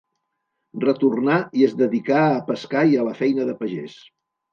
Retornà i es dedicà a pescar i a la feina de pagès.